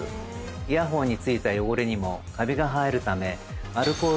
イヤホンに付いた汚れにもカビが生えるため。